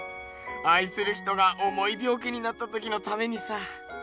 あいする人がおもいびょう気になったときのためにさ。